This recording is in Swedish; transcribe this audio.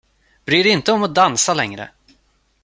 Bry dig inte om att dansa längre!